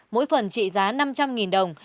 mỗi phần trị giá năm trăm linh đồng